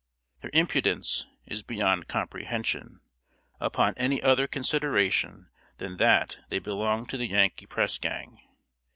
Their impudence is beyond comprehension, upon any other consideration than that they belong to the Yankee press gang.